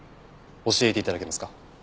教えて頂けますか？